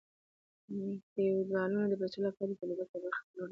فیوډالانو د پیسو لپاره د تولیداتو یوه برخه پلورله.